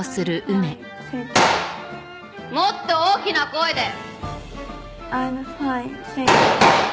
もっと大きな声で！